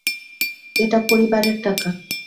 এটা পরিবারের টাকা!